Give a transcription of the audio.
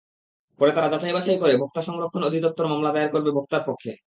পরে তারা যাচাই-বাছাই করে ভোক্তা সংরক্ষণ অধিদপ্তর মামলা দায়ের করবে ভোক্তার পক্ষে।